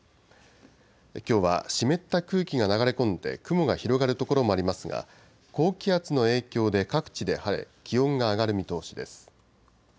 きょうは湿った空気が流れ込んで雲が広がる所もありますが、高気圧の影響で各地で晴れ、気温が上がる見通しです。